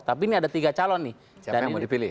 tapi ini ada tiga calon nih dan yang mau dipilih